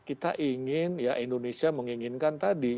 kita ingin ya indonesia menginginkan tadi